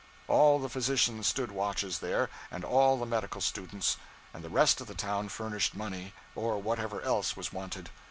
All the physicians stood watches there, and all the medical students; and the rest of the town furnished money, or whatever else was wanted.